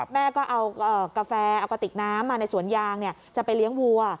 แม่ก็เอากาแฟเอากระติกน้ำมาในสวนยางจะไปเลี้ยงวัว